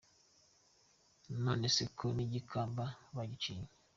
None se ko n’igikamba bagiciye !".